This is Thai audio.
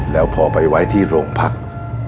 แล้วพอไปไว้ที่โรงพัก